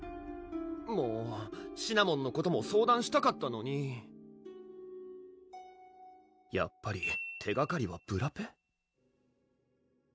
もうシナモンのことも相談したかったのにやっぱり手がかりはブラペ？